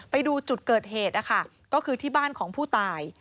ไปดูจุดเกิดเหตุนะคะก็คือที่บ้านของผู้ตาย